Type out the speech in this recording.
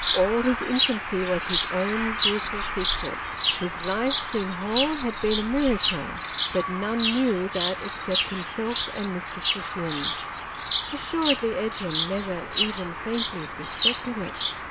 All his infancy was his own fearful secret. His life, seen whole, had been a miracle. But none knew that except himself and Mr Shushions. Assuredly Edwin never even faintly suspected it.